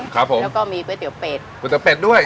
ครับผมแล้วก็มีก๋วยเตี๋ยวเป็ดก๋วยเตี๋เป็ดด้วย